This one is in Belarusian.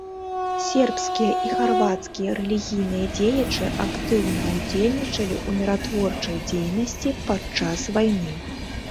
Сербскія і харвацкія рэлігійныя дзеячы актыўна ўдзельнічалі ў міратворчай дзейнасці падчас вайны.